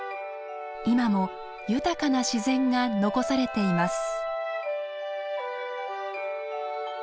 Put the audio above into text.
今も豊かな自然が残されています。